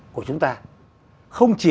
của chúng ta không chỉ